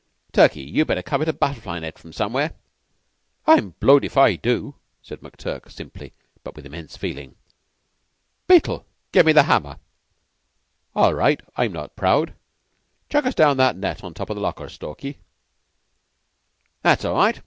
Turkey, you'd better covet a butterfly net from somewhere." "I'm blowed if I do," said McTurk, simply, with immense feeling. "Beetle, give me the hammer." "All right. I'm not proud. Chuck us down that net on top of the lockers, Stalky." "That's all right.